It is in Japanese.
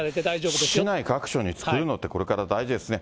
こういうのを市内各所に作るのって、これから大事ですね。